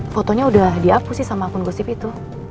fotonya udah diapu sih sama akun gosip itu